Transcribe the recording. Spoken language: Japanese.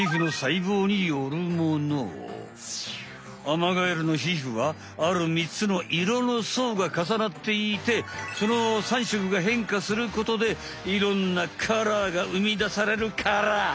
アマガエルのひふはある３つの色のそうがかさなっていてその３色がへんかすることでいろんなカラーがうみだされるカラー。